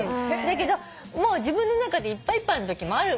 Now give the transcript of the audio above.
だけど自分の中でいっぱいいっぱいのときもある。